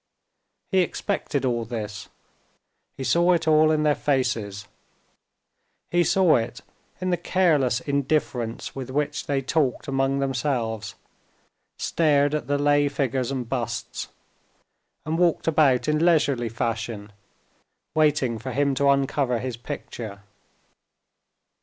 He expected all this; he saw it all in their faces, he saw it in the careless indifference with which they talked among themselves, stared at the lay figures and busts, and walked about in leisurely fashion, waiting for him to uncover his picture.